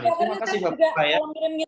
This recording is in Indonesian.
terima kasih mbak pusman